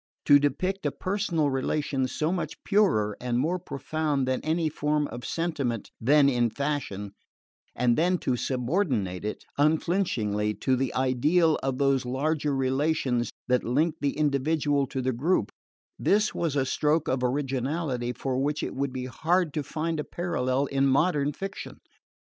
To depict a personal relation so much purer and more profound than any form of sentiment then in fashion, and then to subordinate it, unflinchingly, to the ideal of those larger relations that link the individual to the group this was a stroke of originality for which it would be hard to find a parallel in modern fiction.